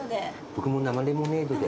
僕も生レモネードで。